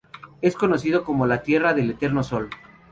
Es conocido como la "tierra del eterno sol".